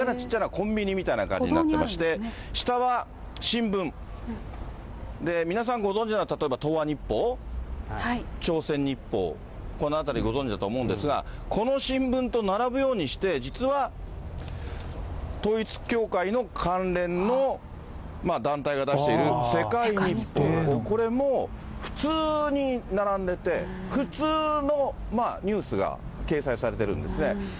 コンビニみたいな感じになってまして、下は新聞、皆さんご存じな、例えば東亞日報、朝鮮日報、このあたりご存じだと思うんですが、この新聞と並ぶようにして、実は統一教会の関連の団体が出している、世界日報、これも普通に並んでて、普通のニュースが掲載されてるんですね。